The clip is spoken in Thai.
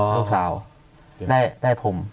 ลูกสาวได้พรม